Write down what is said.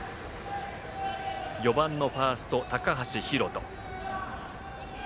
４番のファースト高橋海翔。